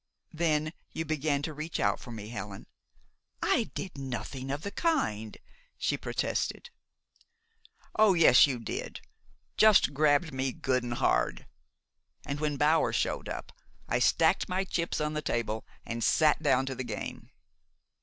Then you began to reach out for me, Helen " "I did nothing of the kind!" she protested. "Oh, yes, you did, just grabbed me good and hard, and when Bower showed up I stacked my chips on the table and sat down to the game.